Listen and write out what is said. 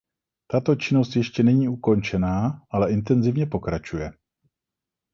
Tato činnost ještě není ukončená, ale intenzivně pokračuje.